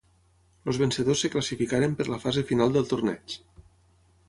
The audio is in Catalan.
Els vencedors es classificaren per la fase final del torneig.